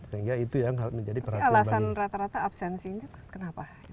tapi alasan rata rata absensinya kenapa